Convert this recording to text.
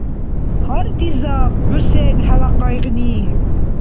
Гьардизаб, ХӀусен, хӀела къайгъни!